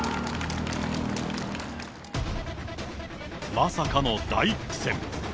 まさかの大苦戦。